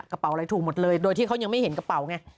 อะไรถูกหมดเลยโดยที่เขายังไม่เห็นกระเป๋าไง